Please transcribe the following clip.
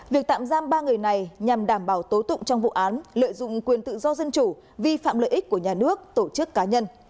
việc tạm giam ba người này nhằm đảm bảo tố tụng trong vụ án lợi dụng quyền tự do dân chủ vi phạm lợi ích của nhà nước tổ chức cá nhân